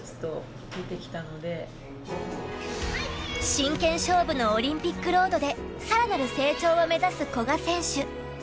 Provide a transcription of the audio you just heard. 真剣勝負のオリンピックロードで更なる成長を目指す古賀選手。